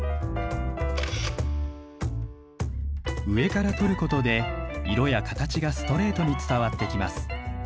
上から撮ることで色や形がストレートに伝わってきます。